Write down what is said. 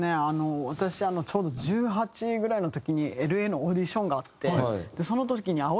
あの私ちょうど１８ぐらいの時にＬ．Ａ．のオーディションがあってその時に。